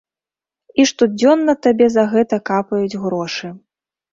І штодзённа табе за гэта капаюць грошы.